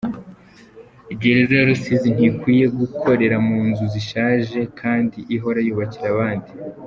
Gereza ya Rusizi ntikwiye gukorera mu nzu zishaje kandi ihora yubakira abandi